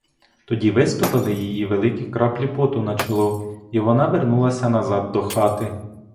Тоді виступили їй великі краплі поту на чоло і вона вернулася назад до хати.